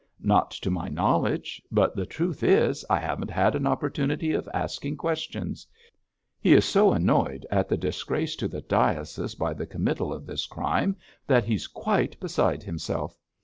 'Not to my knowledge; but the truth is, I haven't had an opportunity of asking questions. He is so annoyed at the disgrace to the diocese by the committal of this crime that he's quite beside himself.